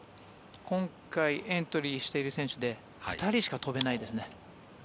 今回、エントリーしている選手で２人しか飛べないですね。